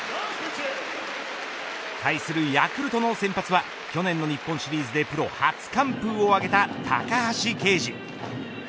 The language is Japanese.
対するヤクルトの先発は去年の日本シリーズでプロ初完封を挙げた高橋奎二。